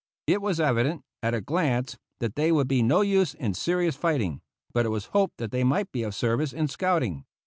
It was evident, at a glance, that they would be no use in serious fighting, but it was hoped that they might be of service in scouting.